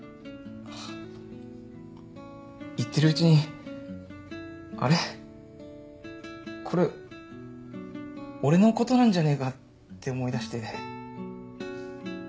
言ってるうちに「あれ？これ俺のことなんじゃねえか」って思いだして。